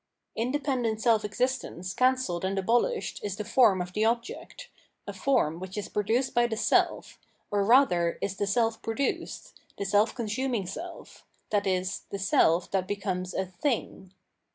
Independent self existence can celled and abolished is the form of the object, a form which is produced by the self, or rather is the self produced, the seH consuming self, i.e. the self that becomes a " thing."